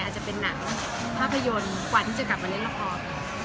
อาจจะเป็นหนังภาพยนตร์กว่าที่จะกลับมาเล่นละคร